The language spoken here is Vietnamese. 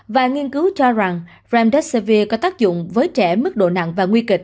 và nghiên cứu cho rằng remdesivir có tác dụng với trẻ mức độ nặng